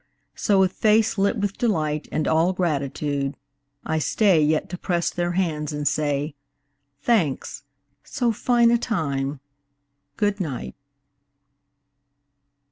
So, with face lit with delight And all gratitude, I stay Yet to press their hands and say, "Thanks. So fine a time ! Good night.